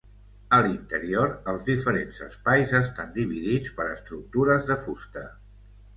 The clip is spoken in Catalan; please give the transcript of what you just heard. A l'interior, els diferents espais estan dividits per estructures de fusta.